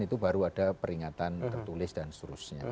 itu baru ada peringatan tertulis dan seterusnya